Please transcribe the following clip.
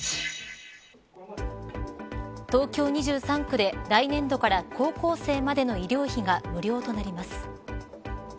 東京２３区で来年度から高校生までの医療費が無料となります。